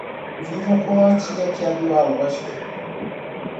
Viva com a tia que abriu a loja